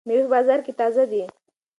مېوې په بازار کې تازه دي.